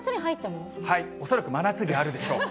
恐らく真夏日あるでしょう。